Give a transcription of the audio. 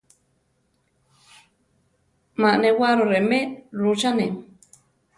Má newaro remé rutzane.